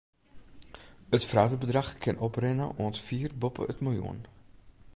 It fraudebedrach kin oprinne oant fier boppe it miljoen.